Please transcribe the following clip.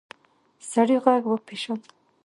سړی غږ وپېژاند.